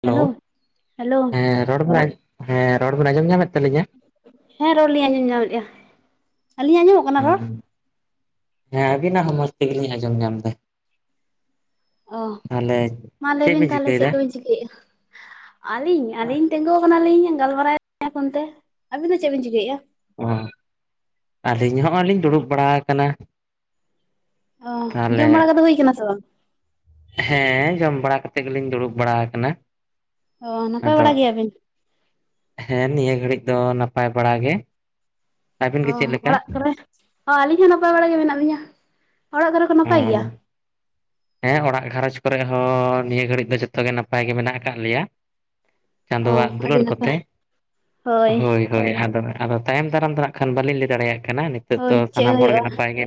Hello hello ᱦᱮᱸ ᱨᱚᱲ ᱵᱮᱱ ᱦᱮᱸ ᱨᱚᱲ ᱵᱮᱱ ᱟᱸᱡᱚᱢ ᱧᱟᱢᱮᱫ ᱛᱟᱹᱞᱤᱧᱟ ᱦᱮᱸ ᱨᱚᱲ ᱞᱤᱧ ᱟᱸᱡᱚᱢ ᱧᱟᱢ ᱮᱫᱼᱟ ᱟᱹᱞᱤᱧ ᱟᱜ ᱟᱸᱡᱚᱢᱚᱜ ᱠᱟᱱᱟ ᱨᱚᱲ ᱦᱮᱸ ᱟᱹᱵᱤᱱᱟᱜ ᱦᱚᱸ ᱢᱚᱡᱽ ᱛᱮᱜᱮᱞᱤᱧ ᱟᱸᱡᱚᱢ ᱧᱟᱢ ᱮᱫᱟ ᱚ ᱛᱟᱦᱚᱞᱮ ᱢᱟ ᱞᱟᱹᱭ ᱪᱮᱫ ᱵᱤᱱ ᱛᱟᱦᱚᱞᱮ ᱪᱮᱫ ᱪᱤᱠᱟᱹᱭᱮᱫᱟ? ᱠᱚᱵᱤᱱ ᱪᱤᱠᱟᱹᱭᱮᱫᱼᱟ ᱟᱹᱞᱤᱧ ᱟᱹᱞᱤᱧ ᱛᱤᱸᱜᱩ ᱠᱟᱱᱟᱞᱤᱧ ᱜᱟᱞᱢᱟᱨᱟᱣᱮᱫ ᱯᱷᱳᱱ ᱛᱮ ᱟᱹᱵᱤᱱ ᱫᱚ ᱪᱮᱫ ᱵᱤᱱ ᱪᱤᱠᱟᱹᱭᱮᱫᱼᱟ ᱚ ᱟᱹᱞᱤᱧ ᱦᱚᱸᱜ ᱞᱤᱧ ᱫᱩᱲᱩᱵ ᱵᱟᱲᱟ ᱟᱠᱟᱱᱟ ᱚ ᱛᱟᱦᱚᱞᱮ ᱡᱚᱢ ᱵᱟᱲᱟ ᱠᱚ ᱫᱚ ᱦᱩᱭ ᱠᱟᱱᱟ ᱥᱮ ᱵᱟᱝ ᱦᱮᱸ ᱡᱚᱢ ᱵᱟᱲᱟ ᱠᱟᱛᱮᱜ ᱜᱮᱞᱤᱧ ᱫᱩᱲᱩᱵ ᱵᱟᱲᱟ ᱠᱟᱱᱟ ᱚ ᱱᱟᱯᱟᱭ ᱵᱟᱲᱟ ᱜᱮᱭᱟᱵᱤᱱ ᱦᱮᱸ ᱱᱤᱭᱟᱹ ᱜᱷᱟᱹᱲᱤᱡ ᱫᱚ ᱱᱟᱯᱟᱭ ᱵᱟᱲᱟ ᱜᱮ ᱟᱹᱵᱤᱱ ᱚ ᱜᱮ ᱪᱮᱫ ᱞᱮᱠᱟ? ᱚᱲᱟᱜ ᱠᱚᱨᱮ ᱚ ᱟᱹᱞᱤᱧ ᱦᱚᱸ ᱱᱟᱯᱟᱭ ᱵᱟᱲᱟ ᱜᱮ ᱢᱮᱱᱟᱜ ᱞᱤᱧᱟᱹ ᱚᱲᱟᱜ ᱠᱚᱨᱮ ᱠᱚ ᱱᱟᱯᱟᱭ ᱜᱮᱭᱟ ᱦᱮᱸ ᱚᱲᱟᱜ ᱜᱷᱟᱨᱚᱸᱡᱽ ᱠᱚᱨᱮ ᱦᱚᱸ ᱱᱤᱭᱟᱹ ᱜᱷᱟᱹᱲᱤᱡ ᱫᱚ ᱡᱚᱛᱚ ᱜᱮ ᱱᱟᱯᱟᱭ ᱜᱮ ᱢᱮᱱᱟᱜ ᱟᱠᱟᱫ ᱞᱮᱭᱟ ᱚ ᱪᱟᱸᱫᱳᱣᱟᱜ ᱟᱹᱰᱤ ᱫᱩᱞᱟᱹᱲ ᱱᱟᱯᱟᱭ ᱠᱚᱛᱮ ᱦᱳᱭ ᱦᱳᱭ ᱟᱫᱚ ᱟᱫᱚ ᱛᱟᱭᱚᱢ ᱫᱟᱨᱟᱢ ᱛᱮ ᱱᱟᱜ ᱠᱷᱟᱱ ᱵᱟᱹᱞᱤᱧ ᱞᱟᱹᱭ ᱫᱟᱲᱮᱭᱟᱜ ᱠᱟᱱᱟ ᱱᱤᱛ ᱫᱚ ᱦᱳᱭ ᱪᱮᱫ ᱥᱟᱱᱟᱢ ᱦᱚᱲᱜᱮ ᱦᱩᱭᱩᱜᱼᱟ ᱱᱟᱯᱟᱭ ᱜᱮ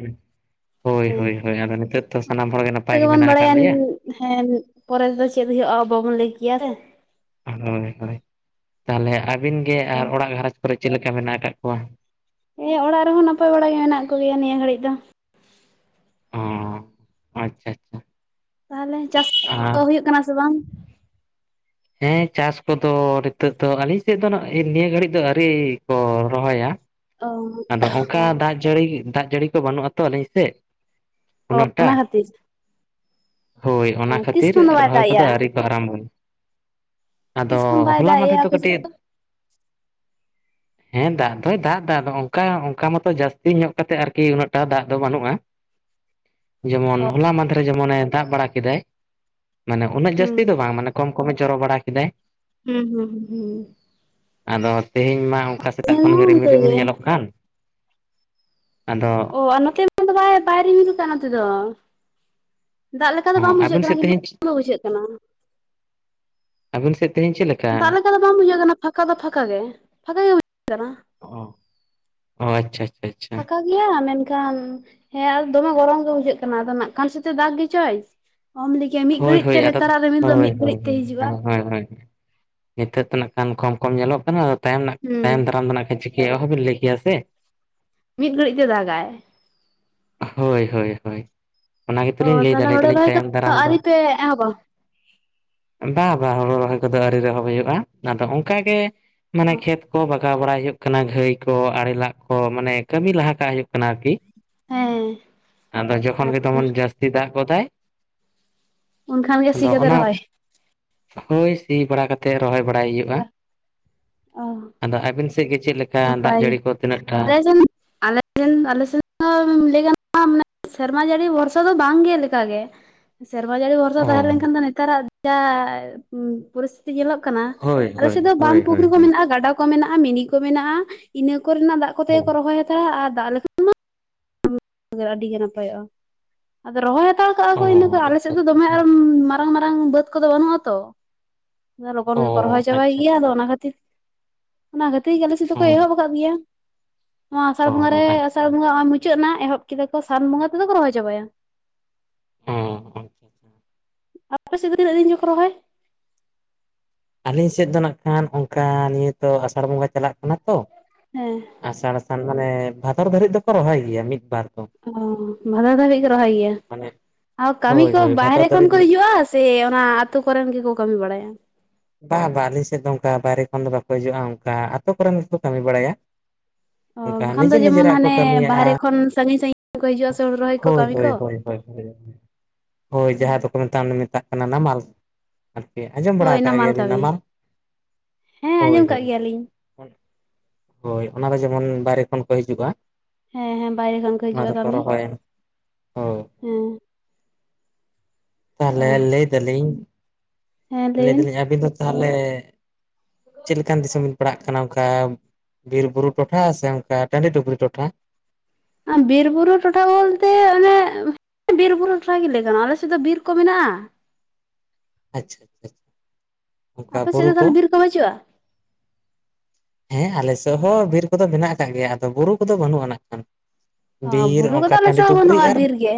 ᱦᱳᱭ ᱦᱮᱸ ᱦᱳᱭ ᱟᱫᱚ ᱱᱤᱛᱚᱜ ᱛᱚ ᱥᱟᱱᱟᱢ ᱦᱚᱲᱜᱮ ᱱᱟᱯᱟᱭ ᱜᱮ ᱜᱮᱵᱚᱱ ᱢᱮᱱᱟᱜ ᱟᱠᱟᱫ ᱵᱟᱲᱟᱭᱟ ᱞᱮᱭᱟ ᱦᱮᱸ ᱯᱚᱨᱮ ᱛᱮᱫᱚ ᱪᱮᱫ ᱦᱩᱭᱩᱜᱼᱟ ᱵᱟᱵᱚᱱ ᱞᱟᱹᱭ ᱠᱮᱭᱟ ᱥᱮ ᱦᱳᱭ ᱦᱳᱭ ᱛᱟᱦᱚᱞᱮ ᱟᱹᱵᱤᱱ ᱜᱮ ᱟᱨ ᱚᱲᱟᱜ ᱜᱷᱟᱨᱚᱸᱡᱽ ᱠᱚᱨᱮ ᱪᱮᱫᱞᱮᱠᱟ ᱢᱮᱱᱟᱜ ᱟᱠᱟᱫ ᱠᱚᱣᱟ ᱦᱮᱸ ᱚᱲᱟᱜ ᱨᱮᱦᱚᱸ ᱱᱟᱯᱟᱭ ᱵᱟᱲᱟ ᱜᱮ ᱢᱮᱱᱟᱜ ᱠᱚᱜᱮᱭᱟ ᱱᱤᱭᱟᱹ ᱜᱷᱟᱹᱲᱤᱡ ᱫᱚ ᱚ ᱟᱪᱪᱷᱟ ᱟᱪᱪᱷᱟ ᱛᱟᱦᱚᱞᱮ ᱪᱟᱥ ᱟᱨ ᱫᱚ ᱦᱩᱭᱩᱜ ᱠᱟᱱᱟ ᱥᱮ ᱵᱟᱝ? ᱦᱮᱸ ᱪᱟᱥ ᱠᱚᱫᱚ ᱱᱤᱛᱚᱜ ᱫᱚ ᱟᱹᱞᱤᱧ ᱥᱮᱫ ᱫᱚ ᱱᱟᱜ ᱱᱤᱭᱟᱹ ᱜᱷᱟᱹᱲᱤᱡ ᱫᱚ ᱟᱹᱨᱤ ᱠᱚ ᱨᱚᱦᱚᱭᱟ ᱚ ᱟᱫᱚ ᱚᱝᱠᱟ ᱫᱟᱜ ᱡᱟᱹᱲᱤ ᱫᱟᱜ ᱡᱟᱹᱲᱤ ᱠᱚ ᱵᱟᱹᱱᱩᱜ ᱟᱛᱚ ᱟᱹᱞᱤᱧ ᱥᱮᱫ ᱚ ᱩᱱᱟᱹᱜ ᱚᱱᱟ ᱴᱟ ᱠᱷᱟᱹᱛᱤᱨ ᱦᱳᱭ ᱚᱱᱟ ᱚ ᱛᱤᱥ ᱠᱷᱟᱹᱛᱤᱨ ᱠᱷᱚᱱ ᱫᱚ ᱵᱟᱭ ᱨᱚᱦᱚᱭ ᱫᱟᱜ ᱠᱚᱫᱚ ᱮᱜᱼᱟ ᱟᱹᱣᱨᱤ ᱠᱚ ᱟᱨᱟᱢᱵᱚᱭᱟ ᱟᱫᱚ ᱛᱤᱥ ᱠᱷᱚᱱ ᱵᱟᱭ ᱦᱚᱞᱟ ᱫᱟᱜ ᱢᱟᱫᱷᱮᱨ ᱮᱜᱼᱟ ᱫᱚ ᱟᱯᱮ ᱥᱮᱫ ᱠᱟᱹᱴᱤᱡ ᱦᱮᱸ ᱫᱟᱜ ᱫᱚᱭ ᱫᱟᱜ ᱫᱟ ᱟᱫᱚ ᱠᱟ ᱚᱝᱠᱟ ᱢᱟᱛᱚ ᱡᱟᱹᱥᱛᱤ ᱧᱚᱜ ᱠᱟᱛᱮᱫ ᱟᱨᱠᱤ ᱩᱱᱟᱹᱜ ᱴᱟ ᱫᱟᱜ ᱫᱚ ᱵᱟᱹᱱᱩᱜ-ᱟ ᱡᱮᱢᱚᱱ ᱦᱚᱞᱟ ᱢᱟᱫᱷᱨᱮ ᱡᱮᱢᱚᱱᱮ ᱫᱟᱜ ᱵᱟᱲᱟ ᱠᱮᱫᱟᱭ ᱢᱟᱱᱮ ᱩᱱᱟᱹᱜ ᱦᱩᱸ ᱡᱟᱹᱥᱛᱤ ᱫᱚ ᱵᱟᱝ ᱢᱟᱱᱮ ᱠᱚᱢ ᱠᱚᱢᱮ ᱪᱚᱨᱚ ᱵᱟᱲᱟ ᱠᱮᱫᱟᱭ ᱦᱩᱸ ᱦᱩᱸ ᱦᱩᱸ ᱦᱩᱸ ᱟᱫᱚ ᱛᱮᱦᱮᱧ ᱢᱟ ᱚᱝᱠᱟ ᱥᱮᱛᱟᱜ ᱦᱩᱸ ᱠᱷᱚᱱ ᱜᱮ ᱨᱤᱢᱤᱞ ᱚᱱᱠᱟ ᱨᱤᱢᱤᱞ ᱧᱮᱞᱚᱜ ᱠᱟᱱ ᱟᱫᱚ ᱚ ᱟᱨ ᱱᱚᱛᱮ ᱫᱚ ᱵᱟᱭ ᱨᱤᱢᱤᱞ ᱠᱟᱜ-ᱟ ᱱᱚᱛᱮ ᱫᱚ ᱫᱟᱜ ᱞᱮᱠᱟ ᱫᱚ ᱵᱟᱝ ᱵᱩᱡᱷᱟᱹᱜ ᱟᱹᱵᱤᱱ ᱠᱟᱱᱟ ᱥᱮᱫ ᱠᱤᱱᱛᱩ ᱛᱮᱦᱮᱧ ᱫᱚ ᱵᱩᱡᱷᱟᱹᱜ ᱠᱟᱱᱟ ᱟᱵᱤᱱ ᱥᱮᱫ ᱛᱤᱦᱤᱧ ᱪᱮᱫ ᱞᱮᱠᱟ? ᱫᱟᱜ ᱞᱮᱠᱟ ᱫᱚ ᱵᱟᱝ ᱵᱩᱡᱷᱟᱹᱜ ᱠᱟᱱᱟ ᱯᱷᱟᱸᱠᱟ ᱫᱚ ᱯᱷᱟᱸᱠᱟ ᱜᱮ ᱯᱷᱟᱸᱠᱟ ᱜᱮ [inaudible] ᱠᱟᱱᱟ᱾ ᱚ ᱟᱪᱪᱷᱟ ᱪᱷᱟ ᱾ ᱯᱷᱟᱸᱠᱟ ᱜᱤᱭᱟ ᱢᱮᱱᱠᱷᱟᱱ ᱦᱮᱸ ᱟ ᱫᱚᱢᱮ ᱜᱚᱨᱚᱢ ᱜᱮ ᱵᱩᱡᱷᱟᱹᱜ ᱠᱟᱱᱟ ᱟᱫᱚ ᱱᱟᱜ ᱠᱷᱟᱱ ᱥᱮᱫᱛᱮ ᱫᱟᱜ ᱜᱮ ᱪᱚᱭ᱾ ᱚᱢᱞᱤᱜ ᱦᱳᱭ ᱦᱳᱭ ᱟᱫᱚ ᱦᱳᱭ ᱦᱳᱭ ᱛᱮ ᱦᱤᱡᱩᱜᱼᱟ ᱦᱮᱸ ᱦᱮᱸ᱾ ᱱᱤᱛᱳᱜ ᱫᱚ ᱱᱟᱸᱜ ᱠᱷᱟᱱ ᱠᱚᱢ ᱠᱚᱢ ᱧᱮᱞᱚᱜ ᱠᱟᱱᱟ ᱛᱟᱭᱚᱢ ᱱᱟᱜ ᱦᱩᱸ ᱛᱟᱭᱚᱢ ᱫᱟᱨᱟᱢ ᱫᱚ ᱱᱟᱜ ᱠᱷᱟᱱ ᱪᱤ ᱠᱟᱹ ᱚᱸᱦᱚᱵᱤᱱ ᱞᱟᱹᱭ ᱠᱮᱭᱟ ᱥᱮ᱾ ᱢᱤᱫ ᱜᱷᱟᱹᱲᱤᱜ ᱛᱮ ᱫᱟᱜᱟᱭ᱾ ᱦᱳᱭ ᱦᱳᱭ ᱦᱳᱭ᱾ ᱚᱱᱟ ᱜᱮᱛᱚ ᱚ ᱞᱤᱧ ᱞᱟᱹᱭ ᱴ ᱛᱟᱦᱚᱞᱮ ᱦᱳᱲᱳ ᱫᱟᱞᱤᱧ ᱨᱚᱦᱚᱭ ᱛᱟᱭᱚᱢ ᱠᱚᱫᱚ ᱫᱟᱨᱟᱢ ᱫᱚ ᱟᱹᱣᱨᱤ ᱯᱮ ᱮᱦᱚᱵᱟ? ᱵᱟ ᱵᱟ ᱦᱳᱲᱩ ᱨᱚᱦᱚᱭ ᱠᱚᱫᱚ ᱟᱣᱨᱤ ᱨᱮᱦᱚᱸ ᱦᱩᱭᱩᱜᱼᱟ ᱟᱫᱚ ᱚᱝᱠᱟᱜᱮ ᱚ ᱢᱟᱱᱮ ᱠᱷᱮᱛ ᱠᱚ ᱵᱟ ᱜᱟᱣ ᱵᱟᱲᱟᱭ ᱦᱩᱭᱩᱜ ᱠᱟᱱᱟ ᱜᱷᱟᱹᱭ ᱠᱚ ᱟᱲᱮ ᱞᱟᱜ ᱠᱚ ᱢᱟᱱᱮ ᱠᱟᱹᱢᱤ ᱞᱟᱦᱟ ᱠᱟᱜ ᱦᱩᱭᱩᱜ ᱠᱟᱱᱟ ᱟᱨᱠᱤ᱾ ᱦᱮᱸ᱾ ᱟᱫᱚ ᱡᱚᱠᱷᱚᱱ ᱜᱮ ᱛᱟᱨᱯᱚᱨᱮ ᱫᱚᱢᱚᱱ ᱡᱟᱹᱥᱛᱤ ᱫᱟᱜ ᱜᱚᱫᱟᱭ, ᱩᱱᱠᱷᱟᱱ ᱜᱮ ᱥᱤ ᱟᱫᱚ ᱠᱟᱛᱮ ᱚᱱᱟ ᱨᱚᱦᱚᱭ ᱦᱳᱭ ᱥᱤ ᱵᱟᱲᱟ ᱠᱟᱛᱮ ᱨᱚᱦᱚᱭ ᱵᱟᱲᱟᱭ ᱦᱩᱭᱩᱜ-ᱟ᱾ ᱚ ᱟᱫᱚ ᱟᱹᱵᱤᱱ ᱥᱮᱫ ᱜᱮ ᱪᱮᱫ ᱞᱮ ᱱᱟᱯᱟᱭ ᱜᱤ ᱟᱞᱮ ᱥᱤᱱ ᱟᱞᱮ [inaudible] ᱟᱞᱮ ᱥᱮᱫ ᱦᱚᱸ ᱞᱟᱹᱭ ᱜᱟᱱᱚᱜ-ᱟ ᱥᱮᱨᱢᱟ ᱡᱟᱹᱲᱤ ᱵᱷᱚᱨᱥᱟ ᱫᱚ ᱵᱟᱝ ᱜᱮ ᱞᱮᱠᱟᱜᱮ᱾ ᱥᱮᱨᱢᱟ ᱡᱟᱹᱲᱤ ᱵᱷᱚᱨᱥᱟ ᱚ ᱛᱟᱦᱮᱸ ᱞᱮᱱᱠᱷᱟᱱ ᱫᱚ ᱱᱮᱛᱟᱨᱟᱜ ᱡᱟ ᱯᱚᱨᱤᱥ ᱧᱮᱞᱚᱜ ᱠᱟᱱᱟ ᱦᱳᱭ ᱟᱞᱮ ᱦᱳᱭ ᱥᱮᱫ ᱫᱚ ᱦᱳᱭ ᱵᱟᱸᱫ ᱦᱳᱭ ᱯᱩᱠᱷᱨᱤ ᱠᱚ ᱦᱳᱭ ᱢᱮᱱᱟᱜ-ᱟ ᱜᱟᱰᱟ ᱠᱚ ᱢᱮᱱᱟᱜ-ᱟ ᱢᱤᱱᱤ ᱠᱚ ᱢᱮᱱᱟᱜ-ᱟ ᱤᱱᱟᱹ ᱠᱚᱨᱮᱱᱟᱜ ᱫᱟᱜ ᱠᱚᱛᱮ ᱜᱮ ᱠᱚ ᱨᱚᱦᱚᱭ ᱦᱟ ᱛᱟᱲᱟ ᱟᱨ ᱫᱟᱜ ᱞᱮᱠᱷᱟᱱ ᱢᱟ [inaudible] ᱟᱹᱰᱤᱜᱮ ᱱᱟᱯᱟᱭᱚᱜ-ᱟ᱾ ᱟᱫᱚ ᱨᱚᱦᱚᱭ ᱦᱟᱛᱟᱲ ᱠᱟᱜ-ᱟ ᱚ ᱠᱚ ᱤᱱᱟᱹ ᱠᱚ ᱟᱞᱮ ᱥᱮᱫ ᱟᱪᱪᱷᱟ ᱫᱚ ᱫᱚᱢᱮ ᱟᱪᱪᱷᱟ ᱟᱨ ᱢᱟᱨᱟᱝ ᱢᱟᱨᱟᱝ ᱵᱟᱹᱫᱽ ᱠᱚᱫᱚ ᱵᱟᱹᱱᱩᱜ-ᱟ ᱛᱚ᱾ ᱤᱱᱟᱹ ᱞᱚᱜᱚᱱ ᱚ ᱜᱮᱠᱚ ᱨᱚᱦᱚᱭ ᱪᱟᱵᱟᱭ ᱟᱪᱪᱷᱟ ᱜᱤᱭᱟ ᱟᱫᱚ ᱚᱱᱟ ᱠᱷᱟᱹᱛᱤᱨ ᱚᱱᱟ ᱠᱷᱟᱹ ᱛᱤ ᱟᱞᱮ ᱥᱮᱫ ᱚ ᱫᱚᱠᱚ ᱮᱦᱚᱵ ᱠᱟᱫ ᱜᱮᱭᱟ ᱱᱚᱣᱟ ᱟᱥᱟᱲ ᱚ ᱵᱚᱸᱜᱟ ᱨᱮ ᱟᱥᱟᱲ ᱟᱪᱪᱷᱟ ᱵᱚᱸᱜᱟ ᱱᱚᱜ-ᱚᱭ ᱢᱩᱪᱟᱹᱫ ᱱᱟ ᱮᱦᱚᱵ ᱠᱮᱫᱟᱠᱚ ᱥᱟᱱ ᱵᱚᱸᱜᱟ ᱛᱮᱫᱚ ᱠᱚ ᱨᱚᱦᱚᱭ ᱪᱟᱵᱟᱭᱟ᱾ ᱦᱚᱸ᱾ ᱟᱯᱮ ᱥᱮᱫ ᱫᱚ ᱛᱤᱱᱟᱹᱜ ᱫᱤᱱ ᱪᱚᱠᱚ ᱨᱚᱦᱚᱭ? ᱟᱹᱞᱤᱧ ᱥᱮᱫ ᱫᱚ ᱱᱟᱸᱜᱠᱷᱟᱱ ᱚᱝᱠᱟ ᱱᱤᱭᱟᱹ ᱛᱚ ᱟᱥᱟᱲ ᱵᱚᱸᱜᱟ ᱪᱟᱞᱟᱜ ᱠᱟᱱᱟ ᱛᱚ, ᱦᱮᱸ ᱟᱥᱟᱲ ᱥᱟᱱ ᱢᱟᱱᱮ ᱵᱷᱟᱫᱚᱨ ᱫᱷᱟᱹᱨᱤᱡ ᱫᱚᱠᱚ ᱨᱚᱦᱚᱭ ᱜᱤᱭᱟ ᱢᱤᱫ ᱵᱟᱨ ᱫᱚ᱾ ᱚ ᱵᱷᱟᱫᱚᱨ ᱫᱷᱟᱹᱵᱤᱡ ᱠᱚ ᱨᱚᱦᱚᱭ ᱜᱤᱭᱟ ᱢᱟᱱᱮ ᱟᱨ ᱠᱟᱹᱢᱤ ᱦᱳᱭ ᱠᱚ ᱦᱳᱭ ᱵᱷᱟᱫᱚᱨ ᱵᱟᱦᱨᱮ ᱠᱷᱚᱱ ᱫᱷᱟᱹᱨᱤᱡ ᱠᱚ ᱢᱤᱫ ᱦᱤᱡᱩᱜ-ᱟ ᱥᱤ ᱚᱱᱟ ᱟᱹᱛᱩ ᱠᱚᱨᱮᱱ ᱜᱤᱠᱚ ᱠᱟᱹᱢᱤ ᱵᱟᱲᱟᱭᱟ? ᱵᱟᱝ ᱵᱟᱝ ᱟᱹᱞᱤᱧ ᱥᱮᱫ ᱫᱚ ᱚᱱᱠᱟ ᱵᱟᱭᱨᱮ ᱠᱷᱚᱱ ᱫᱚ ᱵᱟᱠᱚ ᱦᱤᱡᱩᱜᱼᱟ ᱚᱱᱠᱟ ᱟᱹᱛᱳ ᱠᱚᱨᱮᱱ ᱜᱮᱠᱚ ᱠᱟᱹᱢᱤ ᱵᱟᱲᱟᱭᱟ, ᱚ ᱚᱱᱠᱟ ᱵᱟᱠᱷᱟᱱ ᱱᱤᱡᱮ ᱫᱚ ᱡᱮᱢᱚᱱ ᱱᱤᱡᱮᱨᱟᱜ ᱠᱚ ᱦᱟᱸᱱᱮ ᱠᱟᱹᱢᱤᱭᱟᱜᱼᱟ ᱵᱟᱦᱨᱮ ᱠᱷᱚᱱ ᱥᱟᱺᱜᱤᱧ ᱥᱟᱺᱜᱤᱧ ᱠᱚ ᱦᱤᱡᱩᱜᱼᱟ ᱥᱮ ᱦᱳᱲᱳ ᱨᱚᱦᱚᱭ ᱠᱚ ᱦᱳᱭ ᱠᱟᱹᱢᱤ ᱠᱚ ᱦᱳᱭ ᱦᱳᱭ ᱦᱳᱭ ᱡᱟᱦᱟᱸ ᱫᱚᱠᱚ ᱢᱮᱛᱟᱜ ᱢᱮᱛᱟᱜ ᱠᱟᱱᱟ ᱱᱟᱢᱟᱞ ᱟᱨᱠᱤ ᱟᱸᱡᱚᱢ ᱵᱟᱲᱟ ᱦᱳᱭ ᱠᱟᱜ ᱜᱮᱭᱟᱵᱤᱱ ᱠᱟᱹᱢᱤ ᱱᱟᱢᱟᱞ? ᱦᱮᱸ ᱦᱳᱭ ᱟᱸᱡᱚᱢ ᱠᱟᱜ ᱜᱮᱭᱟᱞᱤᱧ ᱦᱳᱭ᱾ ᱦᱳᱭ ᱚᱱᱟ ᱫᱚ ᱡᱮᱢᱚᱱ ᱵᱟᱦᱨᱮ ᱠᱷᱚᱱ ᱠᱚ ᱦᱤᱡᱩᱜᱼᱟ, ᱦᱮᱸ ᱦᱮᱸ ᱵᱟᱭᱨᱮ ᱠᱷᱚᱱ ᱠᱚ ᱚᱱᱟ ᱦᱤᱡᱩᱜᱼᱟ ᱫᱚᱠᱚ ᱠᱟᱹᱢᱤ ᱨᱚᱦᱚᱭᱟ ᱦᱳᱭ ᱦᱮᱸ᱾ ᱛᱟᱦᱚᱞᱮ ᱚ ᱞᱟᱹᱭ ᱫᱟᱞᱤᱧ ᱞᱟᱹᱭ ᱫᱟᱞᱤᱧ ᱟᱵᱤᱱ ᱫᱚ ᱛᱟᱦᱚᱞᱮ ᱪᱮᱫ ᱞᱮᱠᱟᱱ ᱫᱤᱥᱚᱢ ᱵᱤᱱ ᱯᱟᱲᱟᱜ ᱠᱟᱱᱟ ᱚᱝᱠᱟ ᱵᱤᱨ ᱵᱩᱨᱩ ᱴᱚᱴᱷᱟ ᱥᱮ ᱚᱱᱠᱟ ᱴᱟᱺᱰᱤ ᱴᱩᱯᱨᱤ ᱴᱚᱴᱷᱟ? ᱵᱤᱨ ᱵᱩᱨᱩ ᱴᱚᱴᱷᱟ ᱵᱚᱞᱛᱮ ᱚᱱᱮ ᱵᱤᱨ-ᱵᱩᱨᱩ ᱴᱚᱴᱦᱟ ᱜᱮ ᱞᱟᱹᱭ ᱜᱟᱱᱚᱜ-ᱟ ᱟᱞᱮ ᱥᱮᱫ ᱫᱚ ᱵᱤᱨ ᱠᱚ ᱢᱮᱱᱟᱜᱼᱟ᱾ ᱟᱪᱪᱷᱟ ᱟᱪᱪᱷᱟ ᱚᱱᱠᱟ ᱟᱯᱮ ᱥᱮᱫ ᱵᱩᱨᱩ ᱫᱚ ᱠᱚ? ᱛᱟᱦᱚᱞᱮ ᱵᱤᱨ ᱵᱟᱹᱪᱩᱜᱼᱟ? ᱦᱮᱸ ᱟᱞᱮ ᱥᱮᱫ ᱦᱚᱸ ᱵᱤᱨ ᱠᱚᱫᱚ ᱢᱮᱱᱟᱜ ᱟᱠᱟᱫ ᱜᱮᱭᱟ, ᱟᱫᱚ ᱵᱩᱨᱩ ᱠᱚᱫᱚ ᱵᱟᱹᱱᱩᱜ ᱟᱱᱟᱜ ᱠᱷᱟᱱ ᱾ ᱚ ᱵᱩᱨᱩ ᱠᱚᱫᱚ ᱟᱞᱮ ᱥᱮᱫ ᱵᱟᱹᱱᱩᱜᱼᱟ ᱟᱨ ᱵᱤᱨ ᱜᱮ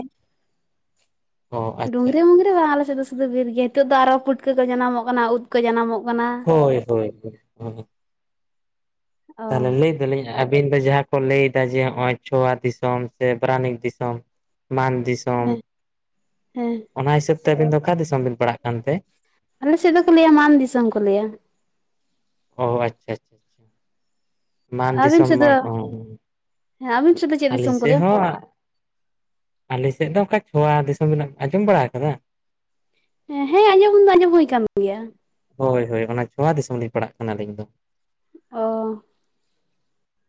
ᱚ ᱾ ᱟᱪᱪᱷᱟ ᱰᱩᱝᱨᱤ ᱟᱪᱪᱷᱟ ᱢᱩᱝᱨᱤ ᱵᱟᱝ ᱟᱞᱮ ᱥᱩᱫᱷᱩ ᱵᱤᱨ ᱜᱮ, ᱱᱤᱛᱚᱜ ᱫᱚ ᱟᱨᱚ ᱯᱩᱴᱠᱟᱹ ᱠᱚ ᱡᱟᱱᱟᱢᱚᱜ ᱠᱟᱱᱟ ᱩᱫᱼᱼ ᱠᱟᱹ ᱡᱟᱱᱟᱢᱚᱜ ᱠᱟᱱᱟ ᱾ ᱦᱳᱭ ᱦᱳᱭ ᱦᱳᱭ᱾ ᱛᱟᱦᱞᱮ ᱞᱮᱼᱼ ᱞᱤᱧ ᱟᱹᱵᱤᱱ ᱫᱚ ᱡᱟᱦᱟᱸ ᱠᱚ ᱞᱟᱹᱭᱫᱟ ᱡᱮ ᱱᱚᱜᱼᱚᱭ ᱪᱷᱳᱣᱟ ᱫᱤᱥᱚᱢ, ᱥᱮ ᱯᱟᱨᱟᱱᱤᱠ ᱫᱤᱥᱚᱢ ᱾ ᱢᱟᱱ ᱫᱤᱥᱼᱼ ᱦᱮᱸ ᱚᱱᱟ ᱦᱤᱥᱟᱹᱵ ᱛᱮ ᱟᱹᱵᱤᱱ ᱫᱚ ᱚᱠᱟ ᱫᱤᱥᱚᱢ ᱵᱤᱱ ᱯᱟᱲᱟᱜ ᱦᱟᱜ ᱠᱟᱱ ᱛᱮ? ᱟᱞᱮ ᱥᱮᱫ ᱫᱚᱠᱚ ᱞᱟᱹᱭᱟ ᱢᱟᱱ ᱫᱤᱥᱚᱢ ᱠᱚ ᱞᱟᱹᱭᱟ ᱾ ᱚ ᱟᱪᱪᱷᱟ ᱾ ᱟᱵᱤᱱ ᱥᱮᱫ ᱫᱚ, ᱟᱵᱤᱱ ᱥᱮᱫ ᱫᱚᱼᱼ ᱟᱹᱞᱤᱧ ᱥᱮᱫ ᱦᱚᱸᱼᱼ ᱟᱹᱞᱤᱧ ᱥᱮᱫ ᱫᱚ ᱚᱱᱠᱟ ᱪᱷᱳᱣᱟ ᱫᱤᱥᱚᱢ ᱵᱤᱱ ᱟᱸᱡᱚᱢ ᱵᱟᱲᱟ ᱟᱠᱟᱫᱟ? ᱦᱮᱸ ᱟᱸᱡᱚᱢ ᱫᱚ ᱟᱸᱡᱚᱢ ᱦᱩᱭ ᱠᱟᱱ ᱜᱮᱭᱟ ᱾ ᱦᱳᱭ ᱦᱳᱭ ᱚᱱᱟ ᱪᱷᱚᱣᱟ ᱫᱤᱥᱚᱢ ᱞᱤᱧ ᱯᱟᱲᱟᱜ ᱠᱟᱱᱟ ᱟᱹᱞᱤᱧ ᱫᱚ ᱾ ᱚ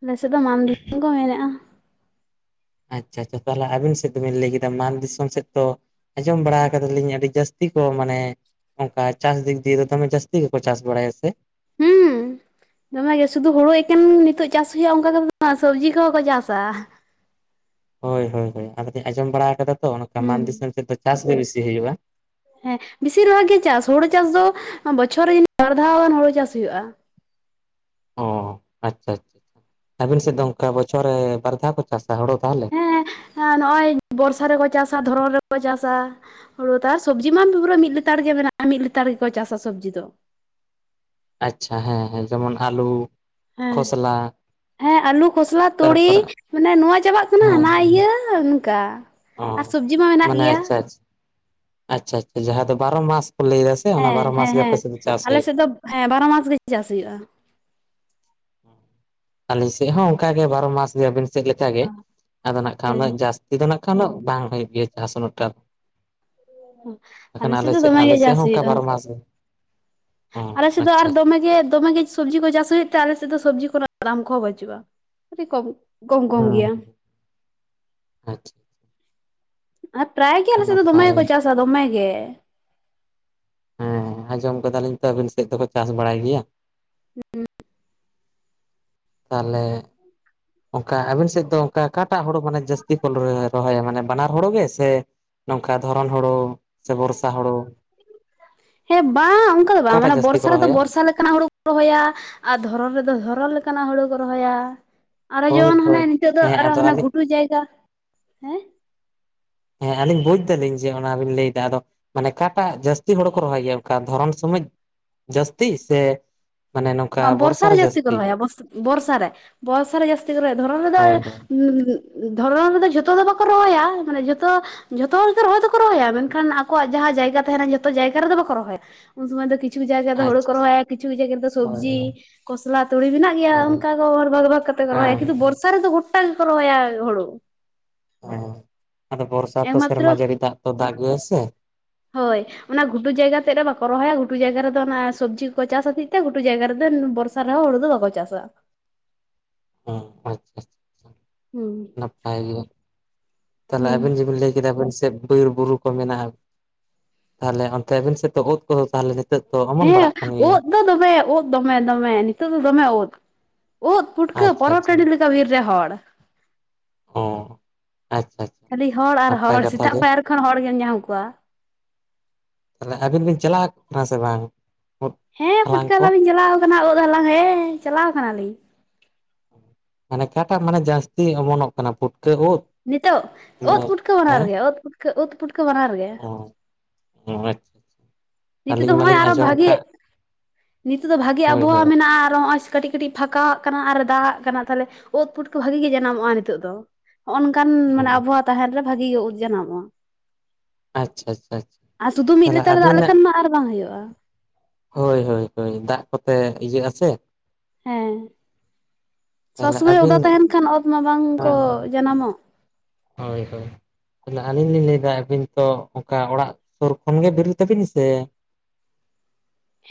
ᱟᱞᱮ ᱥᱮᱫ ᱫᱚ ᱢᱟᱱ ᱫᱤᱥᱚᱢ ᱠᱚ ᱢᱮᱱᱮᱜᱼᱟ ᱾ ᱟᱪᱪᱷᱟ ᱟᱪᱪᱷᱟ ᱛᱟᱦᱚᱞᱮ ᱟᱹᱵᱤᱱ ᱥᱮᱫ ᱫᱚᱵᱤᱱ ᱞᱟᱹᱭ ᱠᱮᱫᱟ ᱢᱟᱱ ᱫᱤᱥᱚᱢ ᱥᱮᱫ ᱛᱚᱼᱼ ᱟᱸᱡᱚᱢ ᱵᱟᱲᱟ ᱠᱟᱫᱟ ᱞᱤᱧ ᱟᱹᱰᱤ ᱡᱟᱹᱥᱛᱤ ᱠᱚ ᱢᱟᱱᱮᱼᱼ ᱚᱱᱠᱟ ᱪᱟᱥ ᱫᱤᱠ ᱫᱤᱭᱮ ᱫᱚᱢᱮ ᱡᱟᱹᱥᱛᱤ ᱜᱮᱠᱚ ᱪᱟᱥ ᱵᱟᱲᱟᱭᱟ ᱥᱮ ᱾ ᱦᱩᱸ ᱫᱚᱢᱮ ᱥᱩᱫᱩ ᱦᱩᱲᱩ ᱮᱠᱮᱱ ᱱᱤᱛᱚᱜ ᱪᱟᱥ ᱦᱩᱭᱩᱜᱼᱟ ᱚᱱᱠᱟ ᱵᱟᱝᱟ ᱥᱚᱵᱽᱡᱤ ᱠᱚᱦᱚᱸ ᱠᱚ ᱪᱟᱥᱟ ᱾ ᱦᱚᱭ ᱦᱚᱭ ᱦᱚᱭ ᱟᱫᱚ ᱞᱤᱧ ᱟᱸᱡᱚᱢ ᱵᱟᱲᱟ ᱟᱠᱟᱫᱟ ᱛᱚ, ᱚᱱᱠᱟ ᱦᱩᱸ ᱢᱟᱱ ᱫᱤᱥᱚᱢ ᱥᱮᱫ ᱫᱚ ᱪᱟᱥ ᱜᱮ ᱵᱤᱥᱤ ᱦᱩᱭᱩᱜᱼᱟ ᱾ ᱦᱮᱸ ᱵᱮᱥᱤᱨ ᱵᱷᱟᱜᱽ ᱜᱮ ᱪᱟᱥ, ᱦᱩᱲᱩ ᱪᱟᱥ ᱫᱚ ᱵᱚᱪᱷᱚᱨ ᱨᱮ ᱡᱟᱱᱤᱡ ᱵᱟᱨ ᱫᱷᱟᱣ ᱜᱟᱱ ᱦᱩᱲᱩ ᱪᱟᱥ ᱦᱩᱭᱩᱜᱼᱟ ᱾ ᱚ ᱟᱪᱪᱷᱟ ᱟᱪᱪᱷᱟ, ᱟᱵᱤᱱ ᱥᱮᱫ ᱫᱚ ᱚᱱᱠᱟ ᱵᱚᱪᱷᱚᱨ ᱨᱮ ᱵᱟᱨ ᱫᱷᱟᱣ ᱠᱚ ᱪᱟᱥᱟ ᱦᱩᱲᱩ ᱛᱟᱦᱚᱞᱮ ᱾ ᱦᱮᱸ ᱱᱚᱜᱼᱚᱭ ᱵᱚᱨᱥᱟ ᱨᱮᱠᱚ ᱪᱟᱥᱟ ᱫᱷᱚᱨᱚᱱ ᱨᱮᱠᱚ ᱪᱟᱥᱟ ᱾ ᱦᱩᱲᱩ ᱛᱟᱨ ᱥᱚᱵᱽᱡᱤ ᱢᱟ ᱢᱤᱫ ᱞᱮᱛᱟᱲ ᱜᱮ ᱢᱮᱱᱟᱜᱼᱟ ᱢᱤᱫ ᱞᱮᱛᱟᱲ ᱜᱮᱠᱚ ᱪᱟᱥᱟ ᱥᱚᱵᱽᱡᱤ ᱫᱚ ᱾ ᱟᱪᱪᱷᱟ ᱦᱮᱸ ᱦᱮᱸ ᱡᱮᱢᱚᱱ ᱟᱞᱩᱼᱼ ᱦᱮᱸ ᱦᱮᱸ ᱟᱞᱩ ᱠᱷᱚᱥᱞᱟ ᱛᱩᱲᱤ ᱛᱟᱨᱯᱚᱨᱮ ᱢᱟᱱᱮ ᱱᱚᱣᱟ ᱪᱟᱵᱟᱜ ᱠᱟᱱᱟ ᱦᱟᱱᱟ ᱦᱮᱸ ᱤᱭᱟᱹᱼᱼ ᱚᱱᱠᱟ, ᱚ ᱟᱨ ᱥᱚᱵᱽᱡᱤ ᱢᱟ ᱢᱮᱱᱟᱜ ᱢᱟᱱᱮ ᱜᱮᱭᱟ ᱾ ᱟᱪᱪᱷᱟ ᱟᱪᱪᱷᱟ ᱟᱪᱪᱷᱟ ᱟᱪᱪᱷᱟ ᱡᱟᱦᱟᱸ ᱫᱚ ᱵᱟᱨᱚ ᱢᱟᱥ ᱠᱚ ᱞᱟᱹᱭᱮᱫᱟ ᱥᱮ ᱚᱱᱟ ᱦᱮᱸ ᱵᱟᱨᱚ ᱢᱟᱥ ᱦᱮᱸ ᱜᱮ ᱦᱮᱸ ᱟᱯᱮᱥᱮᱫ ᱫᱚ ᱪᱟᱥ ᱟᱞᱮ ᱦᱩᱭᱩᱜᱼᱟ ᱾ ᱥᱮᱫ ᱫᱚ ᱦᱮᱸ ᱵᱟᱨᱚ ᱢᱟᱥ ᱜᱮ ᱪᱟᱥ ᱦᱩᱭᱩᱜᱼᱟ ᱾ ᱟᱹᱞᱤᱧ ᱥᱮᱫ ᱦᱚᱸ ᱚᱱᱠᱟᱜᱮ ᱵᱟᱨᱚ ᱢᱟᱥ ᱜᱮ ᱟᱹᱵᱤᱱ ᱥᱮᱫ ᱞᱮ ᱞᱮᱠᱟ ᱜᱮ ᱟᱫᱚ ᱱᱟᱜ ᱠᱷᱟᱱ ᱦᱮᱸ ᱩᱱᱟᱹᱜ ᱡᱟᱥᱼᱼ ᱛᱤ ᱫᱚ ᱱᱟᱜ ᱠᱷᱟᱱ ᱫᱚ ᱵᱟᱝ ᱦᱩᱭᱩᱜ ᱜᱮᱭᱟ ᱪᱟᱥ ᱩᱱᱟᱹᱜ ᱴᱟᱜ ᱾ ᱦᱩᱸ ᱟᱞᱮᱥᱮᱫ ᱫᱚ ᱥᱮᱫ ᱫᱚᱢᱮ ᱜᱮ ᱟᱞᱮ ᱥᱮᱫ ᱪᱟᱥ ᱦᱚᱸ ᱚᱱᱠᱟ ᱦᱩᱭᱩᱜᱼᱟ ᱾ ᱵᱟᱨᱚ ᱢᱟᱥ ᱜᱮ ᱚ ᱟᱞ ᱥᱮᱫ ᱫᱚ ᱟᱨ ᱟᱪᱪᱷᱟ ᱟᱪᱪᱷᱟ ᱫᱚᱢᱮ ᱜᱮ ᱫᱚᱢᱮ ᱜᱮᱼᱼ ᱥᱚᱵᱽᱡᱤ ᱠᱚ ᱪᱟᱥ ᱦᱩᱭᱩᱜ ᱛᱮ ᱟᱞᱮ ᱥᱮᱫ ᱫᱚ ᱥᱚᱵᱽᱡᱤ ᱠᱚᱨᱮ ᱱᱟᱜ ᱫᱟᱢ ᱠᱚᱦᱚᱸ ᱵᱟᱹᱪᱩᱜᱼᱟ ᱟᱹᱰᱤ ᱠᱚᱢ ᱠᱚᱢ ᱠᱚᱢ ᱜᱮᱭᱟ ᱾ ᱦᱮᱸ ᱟᱪᱪᱷᱟ ᱾ ᱟᱨ ᱯᱨᱟᱭ ᱜᱮ ᱟᱞ ᱥᱮᱫ ᱫᱚ ᱫᱚᱢᱮ ᱱᱟᱯᱟᱭ ᱜᱮᱠᱚ ᱪᱟᱥᱟ ᱫᱚᱢᱮ ᱜᱮ ᱾ ᱦᱮᱸ ᱟᱸᱡᱚᱢ ᱠᱟᱫᱟᱞᱤᱧ ᱛᱚ ᱟᱵᱤᱱ ᱥᱮᱫ ᱫᱚ ᱠᱚ ᱪᱟᱥ ᱵᱟᱲᱟᱭ ᱜᱮᱭᱟ ᱾ ᱦᱮᱸ [unintelligible] ᱛᱟᱦᱚᱞᱮᱼᱼ ᱚᱱᱠᱟ ᱟᱵᱤᱱ ᱥᱮᱫ ᱫᱚ ᱚᱱᱠᱟ ᱚᱠᱟᱴᱟᱜ ᱦᱩᱲᱩ ᱢᱟᱱᱮ ᱡᱟᱹᱥᱛᱤ ᱠᱚ ᱨᱚᱦᱚᱭᱟ ᱢᱟᱱᱮ ᱵᱟᱱᱟᱨ ᱦᱩᱲᱩ ᱜᱮ ᱥᱮᱼᱼ ᱱᱚᱝᱠᱟ ᱫᱷᱚᱨᱚᱱ ᱦᱩᱲᱩ ᱾ ᱦᱮᱸ ᱵᱟᱝ ᱚᱱᱠᱟ ᱫᱚ ᱵᱟᱝ ᱚᱠᱟᱴᱟᱜ ᱢᱟᱱᱮ ᱡᱟᱹᱥᱛᱤ ᱵᱚᱨᱥᱟ ᱠᱚ ᱨᱮᱫᱚ ᱨᱚᱦᱚᱭᱟ ᱵᱚᱨᱥᱟ ᱞᱮᱠᱼᱼ ᱞᱮᱠᱟᱱᱟᱜ ᱦᱩᱲᱩ ᱠᱚ ᱨᱚᱦᱚᱭᱟ ᱟᱨ ᱫᱷᱚᱨᱚᱱ ᱨᱮᱫᱚ ᱫᱷᱚᱨᱚᱱ ᱞᱮᱠᱟᱱᱟᱜ ᱦᱩᱲᱩ ᱠᱚ ᱨᱚᱦᱚᱭᱟ ᱟᱨᱦᱚ ᱦᱳᱭ ᱡᱮᱢᱚᱱ ᱦᱳᱭ ᱦᱟᱱᱮ ᱱᱤᱛᱚᱜ ᱫᱚ ᱦᱮᱸ ᱟᱨᱚ ᱟᱫᱚ ᱦᱟᱱᱮ ᱟᱹᱞᱤᱧ ᱜᱷᱩᱴᱩ ᱡᱟᱭᱜᱟ ᱦᱮᱸᱼᱼ ᱦᱮᱸ ᱟᱹᱞᱤᱧ ᱵᱩᱡ ᱫᱟᱞᱤᱧ ᱡᱮ ᱚᱱᱟ ᱵᱤᱱ ᱞᱟᱹᱭ ᱮᱫᱟ ᱟᱫᱚᱼᱼ ᱢᱟᱱᱮ ᱚᱠᱟᱴᱟᱜ ᱡᱟᱹᱥᱛᱤ ᱦᱩᱲᱩ ᱠᱚ ᱨᱚᱦᱚᱭ ᱜᱮᱭᱟ ᱚᱱᱠᱟ ᱫᱷᱚᱨᱚᱱ ᱥᱚᱢᱚᱭ ᱡᱟᱹᱥᱛᱤ ᱥᱮ ᱢᱟᱱᱮ ᱱᱚᱝᱠᱟ ᱵᱚᱨᱥᱟ ᱨᱮ ᱡᱟᱥᱛᱤ ᱠᱚ ᱡᱟᱹᱥᱛᱤ ᱨᱚᱦᱭᱟ [unintelligible] ᱵᱚᱨᱥᱟ ᱨᱮᱼᱼ ᱵᱚᱥᱟᱨ ᱨᱮ ᱡᱟᱹᱥᱛᱤ ᱠᱚ ᱨᱚᱦᱚᱭᱟ ᱫᱷᱚᱨᱚᱱ ᱨᱮ ᱦᱳᱭ ᱦᱳᱭ ᱫᱚ [unintelligible] ᱫᱷᱚᱨᱚᱱ ᱨᱮᱫᱚ ᱡᱷᱚᱛᱚ ᱫᱚ ᱵᱟᱠᱚ ᱨᱚᱦᱚᱭᱟ ᱢᱟᱱᱮ ᱡᱷᱚᱛᱚᱼᱼ ᱡᱷᱚᱛᱚ ᱦᱚᱲ ᱫᱚ ᱨᱚᱦᱚᱭ ᱫᱚᱠᱚ ᱨᱚᱦᱚᱭᱟ ᱢᱮᱱ ᱠᱷᱟᱱ ᱟᱠᱚᱣᱟᱜ ᱡᱟᱦᱟᱸ ᱡᱟᱭᱜᱟ ᱛᱟᱦᱮᱱᱟ ᱡᱚᱛᱚ ᱡᱟᱭᱜᱟ ᱨᱮᱫᱚ ᱵᱟᱠᱚ ᱨᱚᱦᱚᱭᱟ ᱩᱱ ᱥᱚᱢᱚᱭ ᱫᱚ ᱼᱼ ᱠᱤᱪᱷᱩ ᱡᱟᱭᱜᱟ ᱫᱚ ᱦᱩᱲᱩ ᱠᱚ ᱟᱪᱪᱷᱟ ᱨᱚᱦᱚᱭᱟ ᱠᱤᱪᱷᱩ ᱡᱟᱭᱜᱟ ᱫᱚ [unintelligible] ᱦᱳᱭ ᱦᱳᱭ ᱥᱚᱵᱽᱡᱤ ᱠᱚᱥᱞᱟ ᱛᱩᱲᱤ ᱢᱮᱱᱟᱜ ᱜᱮᱭᱟ ᱦᱳᱭ ᱚᱱᱠᱟ [unintelligible] ᱵᱷᱟᱜᱽ ᱵᱷᱟᱜᱽ ᱠᱟᱛᱮ ᱠᱚ ᱨᱚᱦᱚᱭᱟ ᱦᱮᱸ ᱠᱤᱱᱛᱩ ᱵᱚᱨᱥᱟᱼᱼ ᱚᱥᱟᱨᱮ ᱫᱚ ᱜᱳᱴᱴᱟ ᱜᱮ ᱠᱚ ᱨᱚᱦᱚᱭᱟ ᱦᱩᱲᱩ ᱦᱮᱸ ᱟᱫᱚ ᱵᱚᱨᱥᱟ ᱛᱚ ᱥᱮᱨᱢᱟ ᱮᱠᱢᱟᱛᱨᱚ ᱡᱟᱹᱲᱤ ᱫᱟᱜ ᱛᱚ ᱫᱟᱜ ᱜᱮᱭᱟᱭ ᱥᱮ ᱦᱳᱭ ᱚᱱᱟ ᱜᱷᱩᱴᱩ ᱡᱟᱭᱜᱟ ᱛᱮᱫ ᱨᱮ ᱵᱟᱠᱚ ᱨᱚᱦᱚᱭᱟ ᱜᱷᱩᱴᱩ ᱡᱟᱭᱜᱟ ᱨᱮᱫᱚ ᱚᱱᱟ ᱥᱚᱵᱽᱡᱤ ᱠᱚ ᱪᱟᱥ ᱦᱚᱛᱮᱜ ᱛᱮ ᱜᱷᱩᱴᱩ ᱡᱟᱭᱜᱟ ᱨᱮᱫᱚ [unintelligible] [unintelligible] ᱦᱩᱲᱩ ᱫᱚ ᱵᱟᱠᱚ ᱪᱟᱥ -ᱟ [unintelligible] ᱦᱩᱸ ᱱᱟᱯᱟᱭ ᱜᱮᱭᱟ ᱛᱟᱦᱚᱞᱮ ᱦᱩᱸ ᱟᱵᱤᱱ ᱡᱮ ᱵᱤᱱ ᱞᱟᱹᱭ ᱠᱮᱫᱟ ᱵᱟᱭᱥᱟᱠᱷᱼᱼ ᱵᱤᱨ ᱵᱩᱨᱩ ᱠᱚ ᱢᱮᱱᱟᱜᱼᱟ ᱛᱟᱦᱚᱞᱮ ᱚᱱᱛᱮ ᱟᱹᱵᱮᱱ ᱥᱮᱫ ᱫᱚ ᱚᱛ ᱠᱚᱦᱚᱸ ᱛᱟᱦᱚᱞᱮ ᱱᱤᱛᱚᱜᱼᱼ ᱦᱮᱸ [unintelligible] ᱩᱫ ᱫᱚ ᱫᱚᱢᱮ ᱩᱫᱼᱼ ᱫᱚᱢᱮ ᱫᱚᱢᱮ ᱱᱤᱛᱚᱜ ᱫᱚ ᱫᱚᱢᱮ ᱩᱫ ᱩᱫ ᱯᱩᱴᱠᱟᱹ ᱟᱪᱪᱷᱟ ᱯᱚᱨᱚᱵᱽ ᱟᱪᱪᱷᱟ ᱴᱟᱺᱰᱤ ᱞᱮᱠᱟ ᱵᱤᱨ ᱨᱮ ᱦᱚᱲ ᱚ ᱟᱪᱪᱷᱟ ᱟᱪᱪᱷᱟ ᱠᱷᱟᱹᱞᱤ ᱦᱚᱲ ᱟᱨ ᱱᱟᱯᱟᱭ ᱦᱚᱲ ᱠᱟᱛᱷᱟ ᱥᱮᱛᱟᱜ ᱜᱮ ᱯᱟᱭᱟᱨ ᱠᱷᱚᱱ ᱦᱚᱲ ᱜᱮᱢ ᱧᱟᱢ ᱠᱚᱣᱟ ᱞᱟᱦᱟ ᱫᱤᱱ ᱵᱤᱱ ᱪᱟᱞᱟᱜ ᱟᱠᱟᱱᱟ ᱥᱮ ᱵᱟᱝᱼᱼ ᱦᱮᱸ ᱯᱩᱴᱠᱟᱹ ᱦᱟᱞᱟᱝ ᱞᱤᱧ ᱪᱟᱞᱟᱣ ᱟᱠᱟᱱᱟ ᱩᱫ ᱦᱟᱞᱟᱝ ᱦᱮᱸ ᱪᱟᱞᱟᱣ ᱠᱟᱱᱟ ᱞᱤᱧ ᱢᱟᱱᱮ ᱚᱠᱟ ᱴᱟᱜ ᱢᱟᱱᱮ ᱡᱟᱹᱥᱛᱤ ᱚᱢᱚᱱᱚᱜ ᱠᱟᱱᱟ ᱯᱷᱩᱴᱠᱟᱹ ᱩᱫ? ᱱᱤᱛᱚᱜ ᱩᱫ ᱢᱟᱱᱮ ᱯᱩᱴᱠᱟᱹ ᱵᱟᱱᱟᱨ ᱦᱮᱸ ᱜᱮ ᱩᱫ ᱯᱩᱴᱠᱟᱹ ᱩᱫ ᱯᱩᱴᱠᱟᱹ ᱵᱟᱱᱟᱨ ᱜᱮ [unintelligible] ᱱᱤᱛᱚᱜ ᱟᱹᱞᱤᱧ ᱫᱚ ᱱᱚᱜᱼᱚᱭ ᱢᱟᱞᱤᱧ ᱟᱨᱚ ᱟᱸᱡᱚᱢ ᱵᱷᱟᱜᱮ ᱟᱠᱟᱫ ᱱᱤᱛᱚᱜ ᱫᱚ ᱵᱷᱟᱜᱮ ᱟᱵᱚᱦᱟᱣᱟ ᱢᱮᱱᱟᱜᱼᱟ ᱟᱨ ᱱᱚᱜᱼᱚᱭᱼᱼ ᱠᱟᱹᱴᱤᱡ ᱠᱟᱹᱴᱤᱡ ᱯᱷᱟᱸᱠᱟ ᱟᱜ ᱠᱟᱱᱟ ᱟᱨ ᱫᱟᱜ ᱟᱜ ᱠᱟᱱᱟ ᱛᱟᱦᱚᱞᱮ ᱳᱫ ᱯᱩᱴᱠᱟ ᱵᱷᱟᱜᱤ ᱜᱮ ᱡᱟᱱᱟᱢᱚᱜᱼᱟ ᱱᱤᱛᱚᱜ ᱫᱚ ᱱᱚᱜᱼᱚ ᱱᱚᱝᱠᱟᱱ ᱢᱟᱱᱮ ᱟᱵᱚᱦᱟᱣᱟ ᱛᱟᱦᱮᱱ ᱨᱮ ᱵᱷᱟᱹᱜᱤ ᱜᱮ ᱩᱫ ᱡᱟᱱᱟᱢᱟᱜᱼᱟ ᱟᱪᱪᱷᱟ ᱟᱪᱪᱷᱟ ᱛᱟᱦᱞᱮ ᱫᱟᱜ ᱟᱵᱤᱱᱟᱜᱼᱼ ᱞᱮᱠᱷᱟᱱ ᱟᱨ ᱵᱟᱝ ᱦᱩᱭᱩᱜᱼᱟ ᱦᱳᱭ ᱦᱳᱭ ᱦᱳᱭ ᱫᱟᱜ ᱠᱚᱛᱮ ᱤᱭᱟᱹᱜ ᱟᱥᱮᱼᱼ ᱦᱮᱸ ᱥᱚᱵ ᱛᱟᱦᱚᱞᱮ ᱥᱚᱢᱚᱭ ᱟᱹᱵᱤᱱ ᱚᱫᱟ ᱛᱟᱦᱮᱱ ᱠᱷᱟᱱ ᱩᱫ ᱢᱟ ᱵᱟᱝ ᱠᱚ ᱡᱟᱱᱟᱢᱚᱜ ᱦᱳᱭ ᱦᱳᱭ ᱞᱟᱦᱟ ᱟᱹᱞᱤᱧ ᱞᱤᱧ ᱞᱟᱹᱭ ᱮᱫᱟ ᱟᱹᱵᱤᱱ ᱛᱚ ᱚᱱᱠᱟ ᱚᱲᱟᱜ ᱥᱩᱨ ᱠᱷᱚᱱ ᱜᱮ ᱵᱮᱨᱮᱫ ᱛᱟᱵᱤᱱ ᱥᱮᱼᱼ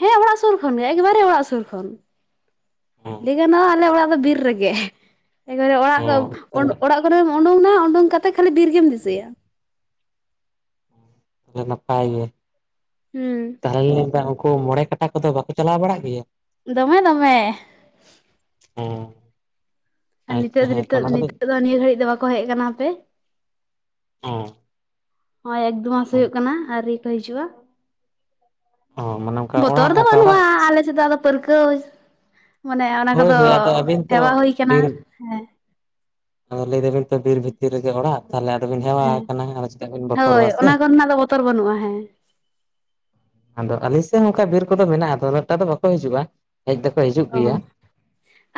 ᱦᱮᱸ ᱚᱲᱟᱜ ᱥᱩᱨ ᱠᱷᱚᱱ ᱜᱮ ᱮᱠᱵᱟᱨᱮ ᱚᱲᱟᱜ ᱥᱩᱨ ᱠᱷᱚᱱᱼᱼ ᱞᱟᱹᱭ ᱜᱟᱱᱚᱜᱼᱟ ᱟᱞᱮ ᱚᱲᱟᱜ ᱫᱚ ᱵᱤᱨ ᱨᱮᱜᱮ ᱮᱠᱵᱟᱨᱮ ᱚ ᱚᱲᱟᱜ ᱛᱟᱦᱚᱞᱮ [unintelligible] ᱚᱲᱟᱜ [unintelligible] ᱩᱰᱩᱝ ᱱᱟ ᱩᱰᱩᱝ ᱠᱟᱛᱮ ᱠᱷᱟᱹᱞᱤ ᱵᱤᱨ ᱜᱮᱢ ᱫᱤᱥᱟᱹᱭᱟ ᱛᱟᱦᱞᱮ ᱱᱟᱯᱟᱭ ᱜᱮᱼᱼ ᱦᱩᱸ ᱛᱟᱦᱚᱞᱮ [unintelligible] ᱢᱮᱱ ᱮᱫᱟ ᱩᱱᱠᱩ ᱢᱚᱬᱮ ᱠᱟᱴᱟ ᱠᱚᱫᱚ ᱵᱟᱠᱚ ᱪᱟᱞᱟᱣ ᱵᱟᱲᱟᱜ ᱜᱮᱭᱟ ᱫᱚᱢᱮ ᱫᱚᱢᱮᱻ ᱦᱩᱸ ᱟᱨ ᱱᱤᱛᱳᱜ ᱫᱚ ᱱᱤᱛᱳᱜ ᱫᱚ ᱱᱤᱛᱳᱜ ᱫᱚ ᱱᱤᱭᱟᱹ ᱜᱷᱟᱹᱲᱤᱡ ᱫᱚ ᱵᱟᱠᱚ ᱦᱮᱡ ᱟᱠᱟᱱᱟ ᱦᱟᱯᱮ ᱦᱚ-ᱚᱭ ᱮᱠᱫᱩ ᱢᱟᱥ ᱦᱳᱭᱳᱜ ᱠᱟᱱᱟ ᱟᱹᱨᱤ ᱠᱚ ᱦᱤᱡᱩᱜᱼᱟ᱾ ᱚ ᱢᱟᱱᱮ, ᱚᱱᱠᱟ ᱵᱚᱛᱚᱨ ᱚᱲᱟᱜ ᱫᱚ ᱚᱱᱠᱟ ᱵᱟᱹᱱᱩᱜᱼᱟ ᱚᱲᱟᱜ ᱟᱞᱮ ᱥᱮᱫ ᱫᱚ ᱟᱫᱚ ᱯᱟᱹᱨᱠᱟᱹᱣ᱾ ᱢᱟᱱᱮ ᱚᱱᱟ ᱦᱳᱭ ᱠᱚᱫᱚ ᱦᱳᱭ ᱟᱫᱚ ᱟᱹᱵᱤᱱ ᱛᱚ ᱦᱮᱣᱟ ᱦᱩᱭ ᱠᱟᱱᱟ ᱵᱤᱨ ᱦᱮᱸ᱾ ᱟᱫᱚ ᱞᱟᱹᱭ ᱫᱟᱵᱤᱱ ᱛᱚ ᱵᱤᱨ ᱵᱷᱤᱛᱤᱨ ᱨᱮᱜᱮ ᱚᱲᱟᱜ ᱛᱟᱦᱚᱞᱮ ᱟᱫᱚᱵᱤᱱ ᱦᱮᱣᱟ ᱦᱮᱸ ᱟᱠᱟᱱᱟ ᱫᱚ ᱪᱮᱫᱟᱜ ᱵᱤᱱ ᱦᱳᱭ ᱵᱚᱛᱚᱨᱚᱜᱼᱟ ᱥᱮ᱾ ᱚᱱᱟ ᱠᱚᱨᱮᱱᱟᱜ ᱫᱚ ᱵᱚᱛᱚᱨ ᱵᱟᱹᱱᱩᱜᱼᱟ ᱦᱮᱸ᱾ ᱟᱫᱚ ᱟᱞᱤᱧ ᱥᱮᱜ ᱦᱚ ᱚᱱᱠᱟ ᱵᱤᱨ ᱠᱚᱫᱚ ᱢᱮᱱᱟᱜᱼᱟ ᱫᱚᱢᱮ ᱮᱠᱴᱟ ᱫᱚ ᱵᱟᱠᱚ ᱦᱤᱡᱩᱜᱼᱟ ᱦᱮᱡ ᱫᱚᱠᱚ ᱦᱤᱡᱩᱜ ᱚ ᱜᱮᱭᱟ᱾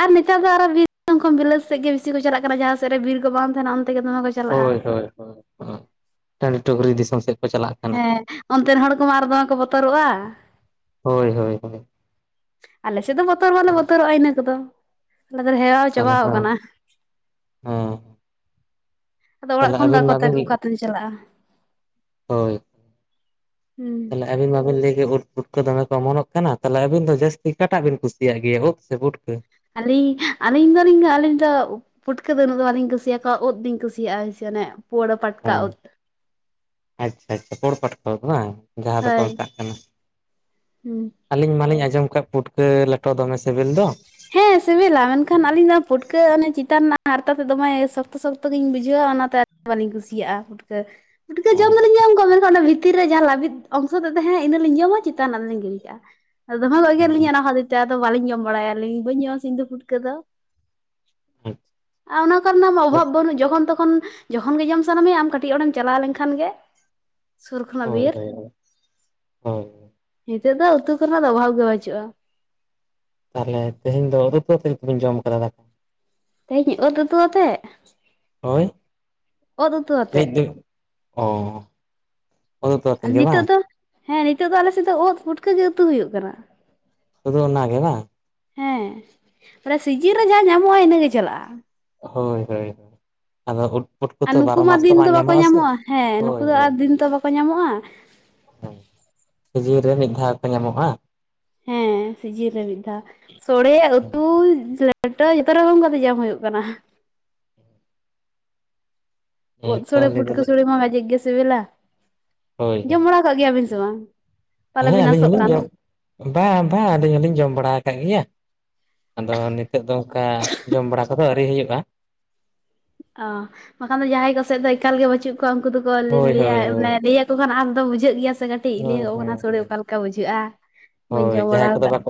ᱟᱨ ᱱᱮᱛᱟᱨ ᱫᱚ ᱟᱨᱚ [inaudible] ᱠᱷᱚᱱ ᱵᱤᱞᱟᱹᱛ ᱥᱮᱜ ᱜᱮ ᱵᱤᱥᱤ ᱠᱚ ᱪᱟᱞᱟᱜ ᱠᱟᱱᱟ ᱡᱟᱦᱟᱸ ᱥᱮᱫ ᱨᱮ ᱵᱤᱨ ᱠᱚ ᱵᱟᱝ ᱛᱟᱦᱮᱱᱟ ᱚᱱᱛᱮᱜᱮ ᱫᱚᱢᱮ ᱠᱚ ᱪᱟᱞᱟᱜᱼᱟ ᱦᱳᱭ ᱦᱳᱭ ᱦᱳᱭ [inaudible] ᱴᱟᱺᱰᱤ ᱴᱩᱠᱨᱤ ᱫᱤᱥᱚᱢ ᱥᱮᱜ ᱠᱚ ᱪᱟᱞᱟᱜ-ᱟ, ᱦᱮᱸ ᱚᱱᱛᱮᱱ ᱦᱚᱲ ᱠᱚᱢᱟ ᱟᱨᱚ ᱫᱚᱢᱮ ᱠᱚ ᱵᱚᱛᱚᱨᱚᱜᱼᱟ᱾ ᱦᱳᱭ ᱦᱳᱭ ᱦᱳᱭ᱾ ᱟᱞᱮᱥᱮᱫ ᱫᱚ ᱵᱚᱛᱚᱨ ᱵᱟᱞᱮ ᱵᱚᱛᱚᱨᱚᱜᱼᱟ ᱤᱱᱟᱹ ᱠᱚᱫᱚ ᱟᱞᱮ ᱫᱚᱞᱮ ᱦᱮᱣᱟ ᱛᱟᱦᱞᱮ ᱪᱟᱵᱟᱣ ᱦᱮᱸ ᱠᱟᱱᱟ᱾ [unintelligible] ᱦᱮᱸ [inaudible] ᱟᱫᱚ ᱚᱲᱟᱜ ᱛᱟᱦᱞᱮ ᱠᱷᱚᱱ ᱫᱚ ᱟᱹᱵᱤᱱ ᱢᱟᱵᱤᱱ [unintelligible] ᱚᱠᱟᱛᱮᱧ ᱪᱟᱞᱟᱜᱼᱟ ᱦᱳᱭ ᱦᱩᱸ᱾ ᱛᱟᱦᱞᱮ ᱟᱹᱵᱤᱱ ᱢᱟᱵᱤᱱ ᱞᱟᱹᱭ ᱠᱮᱫ ᱩᱫ ᱯᱩᱴᱠᱟᱹ ᱫᱚᱢᱮ ᱠᱚ ᱚᱢᱚᱱᱚᱜ ᱠᱟᱱᱟ ᱛᱟᱦᱞᱮ ᱟᱹᱵᱤᱱ ᱫᱚ ᱡᱟᱹᱥᱛᱤ ᱚᱠᱟᱴᱟᱜ ᱵᱤᱱ ᱠᱩᱥᱤᱭᱟᱜ ᱜᱮᱭᱟ ᱳᱫ ᱥᱮ ᱯᱩᱴᱠᱟᱹ? ᱟᱹᱞᱤᱧ ᱟᱹᱞᱤᱧ ᱫᱚᱞᱤᱧ ᱟᱹᱞᱤᱧ ᱫᱚ, ᱯᱷᱩᱴᱠᱟᱹ ᱫᱚ ᱩᱱᱟᱹᱜ ᱫᱚ ᱵᱟᱹᱞᱤᱧ ᱠᱩᱥᱤᱭᱟᱠᱚᱣᱟ ᱳᱫᱞᱤᱧ ᱠᱩᱥᱤᱭᱟᱜᱼᱟ ᱦᱳᱭᱥᱮ ᱚᱱᱮ ᱯᱳᱣᱲᱟᱹ ᱯᱟᱴᱠᱟ ᱳᱫ᱾ ᱟᱪᱪᱷᱟ ᱟᱪᱪᱷᱟ ᱯᱳᱲ ᱯᱟᱴᱠᱟ ᱠᱚ ᱵᱟᱝ ᱡᱟᱦᱟᱸ ᱫᱚᱠᱚ ᱦᱳᱭ ᱢᱮᱛᱟᱜ ᱠᱟᱱᱟ, ᱦᱩᱸ ᱟᱹᱞᱤᱧ ᱢᱟᱞᱤᱧ ᱟᱸᱡᱚᱢ ᱠᱟᱜ ᱯᱩᱴᱠᱟᱹ ᱞᱮᱴᱚ ᱫᱚᱢᱮ ᱥᱮᱵᱮᱞ ᱫᱚ᱾ ᱦᱮᱸ ᱥᱮᱵᱮᱞᱟ ᱢᱮᱱᱠᱷᱟᱱ ᱟᱹᱞᱤᱧ ᱫᱚ ᱯᱷᱩᱴᱠᱟᱹ ᱚᱱᱮ ᱪᱮᱛᱟᱱ [inaudible] ᱦᱟᱨᱛᱟ ᱛᱮᱫ ᱫᱚᱢᱮ ᱥᱚᱠᱛᱚ ᱥᱚᱠᱛᱚ ᱜᱤᱧ ᱵᱩᱡᱷᱟᱹᱣᱟ ᱚᱱᱟ ᱛᱮ ᱵᱟᱹᱞᱤᱧ ᱠᱩᱥᱤᱭᱟᱜᱼᱟ ᱯᱩᱴᱠᱟᱹ ᱯᱩᱴᱠᱟᱹ ᱡᱚᱢ ᱫᱚᱞᱤᱧ ᱡᱚᱢ ᱠᱚᱜᱮ ᱢᱮᱱᱠᱷᱟᱱ ᱚᱱᱮ ᱵᱷᱤᱛ ᱵᱷᱤᱛᱤᱨ ᱨᱮ ᱡᱟᱦᱟᱸ ᱞᱵᱤᱫ ᱚᱝᱥᱚ ᱛᱮ ᱛᱟᱦᱮᱸ ᱤᱱᱟᱹ ᱞᱤᱧ ᱡᱚᱢᱟ ᱪᱮᱛᱟᱱ ᱨᱮᱱᱟᱜ ᱫᱚᱞᱤᱧ ᱜᱤᱲᱤ ᱠᱟᱜᱼᱟ, ᱟᱫᱚ ᱫᱚᱢᱮ ᱠᱚ ᱮᱜᱮᱨᱞᱤᱧᱟ [unintelligible] ᱟᱫᱚ ᱵᱟᱹᱞᱤᱧ ᱡᱚᱢ ᱵᱟᱲᱟᱭᱟ ᱟᱞᱤᱧ ᱞᱟᱹᱭᱤᱧ ᱵᱟᱹᱧ ᱡᱚᱢᱟ ᱤᱧᱫᱚ ᱯᱩᱴᱠᱟᱹ ᱫᱚ᱾ ᱟ ᱚᱱᱟ ᱠᱚᱨᱮᱟᱜ ᱢᱟ ᱚᱵᱷᱟᱵ ᱵᱟᱹᱱᱩᱜ ᱡᱚᱠᱷᱚᱱ ᱛᱚᱠᱷᱚᱱ, ᱡᱚᱠᱷᱚᱱ ᱜᱮ ᱡᱚᱢ ᱥᱟᱱᱟ ᱢᱮ ᱟᱢ ᱠᱟᱹᱴᱤᱡ ᱚᱰᱮᱢ ᱪᱟᱞᱟᱣ ᱞᱮᱱᱠᱷᱟᱱ ᱜᱮ᱾ ᱥᱩᱨ ᱠᱷᱚᱱᱟᱜ ᱦᱳᱭ ᱵᱤᱨ ᱦᱳᱭ ᱦᱳᱭ ᱱᱤᱛᱳᱜ ᱫᱚ ᱩᱛᱩ ᱠᱷᱚᱱᱟᱜ ᱫᱚ ᱚᱵᱷᱟᱵᱽ ᱜᱮ ᱯᱟᱹᱪᱩᱜᱼᱟ᱾ ᱛᱟᱦᱚᱞᱮ ᱛᱮᱦᱧ ᱫᱚ [unintelligible] ᱡᱚᱢ ᱠᱟᱫᱟ ᱫᱟᱠᱟ᱾ ᱛᱮᱦᱮᱧ ᱳᱫ ᱩᱛᱩ ᱟᱛᱮᱜ᱾ ᱦᱳᱭ ᱚᱛ ᱩᱛᱩ ᱟᱛᱮᱜ [unintelligible] ᱚ ᱩᱛᱩ ᱩᱛᱩ ᱟᱛᱮᱫ ᱟᱨ ᱜᱮ ᱱᱤᱛᱚᱜ ᱵᱟᱝ ᱫᱚ ᱦᱮᱸ ᱱᱤᱛᱚᱜ ᱫᱚ ᱟᱞ ᱥᱮᱫ ᱫᱚ ᱳᱫ ᱯᱷᱩᱴᱠᱟᱹ ᱜᱮ ᱩᱛᱩ ᱦᱩᱭᱩᱜ ᱠᱟᱱᱟ᱾ ᱥᱩᱫᱩ ᱱᱟᱜᱮ ᱵᱟᱝ? ᱦᱮᱸ [unintelligible] ᱥᱤᱡᱤᱱ ᱨᱮ ᱡᱟᱦᱟᱸ ᱧᱟᱢᱚᱜᱼᱟ ᱤᱱᱟᱹᱜ ᱜᱮ ᱪᱟᱞᱟᱜᱼᱟ᱾ ᱦᱳᱭ ᱦᱳᱭ ᱦᱳᱭ ᱟᱫᱚ ᱩᱫ, ᱯᱩᱴᱠᱟᱹ ᱟᱨ ᱛᱚ ᱱᱩᱠᱩ ᱵᱟᱨᱚ ᱢᱟ ᱢᱟᱥ ᱛᱚ ᱫᱤᱱ ᱫᱚ ᱵᱟᱝ ᱵᱟᱠᱚ ᱥᱮ ᱧᱟᱢᱚᱜᱼᱟ ᱦᱮᱸ ᱱᱩᱠᱩ ᱦᱳᱭ ᱫᱚ ᱦᱳᱭ ᱟᱨ ᱫᱤᱱ ᱛᱚ ᱵᱟᱠᱚ ᱧᱟᱢᱚᱜᱼᱟ᱾ [inaudible] ᱥᱤᱡᱤᱱ ᱨᱮ ᱢᱤᱫ ᱫᱷᱟᱣ ᱠᱚ ᱧᱟᱢᱚᱜᱼᱟ᱾ ᱦᱮᱸ ᱥᱤᱡᱤᱱ ᱨᱮ ᱢᱤᱫ ᱫᱷᱟᱣ᱾ ᱥᱚᱲᱮ ᱩᱛᱩ [inaudible] ᱞᱮᱴᱚ ᱡᱚᱛᱚ ᱨᱚᱠᱚᱢ ᱠᱟᱛᱮ ᱡᱚᱢ ᱦᱳᱭᱳᱜ ᱠᱟᱱᱟ᱾ ᱦᱮᱸ ᱳᱫ ᱛᱚ ᱥᱚᱲᱮ ᱞᱟᱹᱭ ᱯᱷᱩᱴᱠᱟᱹ ᱫᱟᱞᱤᱧ ᱥᱚᱲᱮ ᱢᱟ ᱜᱟᱡᱮᱜᱮ ᱥᱤᱵᱤᱞᱟ ᱦᱳᱭ ᱡᱚᱢ ᱦᱳᱭ ᱵᱟᱲᱟ ᱠᱟᱜ ᱜᱮᱭᱟᱵᱤᱱ ᱥᱮ ᱵᱟᱝ? ᱦᱮᱸ ᱯᱟᱞᱮᱵᱤᱱ ᱟᱥᱚᱜ ᱠᱟᱱ ᱟᱹᱞᱤᱧ [inaudible] ᱵᱟ ᱵᱟ‌ ᱟᱹᱞᱤᱧ ᱦᱚᱞᱤᱧ ᱡᱚᱢ ᱵᱟᱲᱟ ᱟᱠᱟᱟᱜ ᱜᱮᱭᱟ᱾ ᱟᱫᱚ ᱱᱤᱛᱚᱜ ᱫᱚ ᱚᱱᱠᱟ ᱡᱚᱢ ᱵᱟᱲᱟ ᱠᱚᱫᱚ ᱟᱹᱣᱨᱤ ᱦᱩᱭᱩᱜᱼᱟ᱾ ᱚ ᱵᱟᱠᱷᱟᱱ ᱫᱚ ᱡᱟᱦᱟᱸᱭ ᱠᱚᱥᱮᱫ ᱫᱚ ᱮᱠᱟᱞ ᱜᱮ ᱯᱟᱹᱪᱩᱜ ᱠᱚᱣᱟ ᱩᱱᱠᱩ ᱫᱚᱠᱚ ᱞᱮᱹ ᱦᱳᱭ ᱞᱮᱹᱭᱟ ᱦᱳᱭ ᱦᱳᱭ ᱢᱟᱱᱮ ᱞᱮᱹ ᱛᱚᱠᱷᱟᱱ ᱟᱥ ᱫᱚ ᱵᱩᱡᱷᱟᱹᱜ ᱜᱮᱭᱟ ᱥᱮ ᱠᱟᱹᱴᱤᱡ ᱦᱳᱭ ᱞᱮᱹᱭᱚᱜ ᱠᱟᱱᱟ ᱦᱳᱭ ᱥᱳᱚᱲᱮ ᱚᱠᱟᱮ ᱞᱮᱠᱟ ᱵᱩᱡᱷᱟᱹᱜᱼᱟ, ᱵᱟᱹᱧ ᱦᱳᱭ ᱡᱚᱢ ᱵᱟᱲᱟ ᱡᱟᱦᱟᱸᱭ ᱠᱚᱫᱚ ᱠᱟᱜ ᱵᱟᱠᱚ